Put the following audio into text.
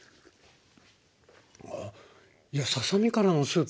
あっいやささ身からのスープ？